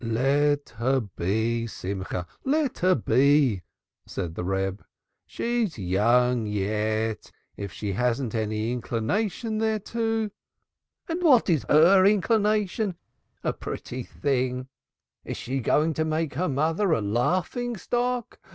"Let her be, Simcha, let her be," said the Reb. "She is young yet. If she hasn't any inclination thereto !" "And what is her inclination? A pretty thing, forsooth! Is she going to make her mother a laughing stock!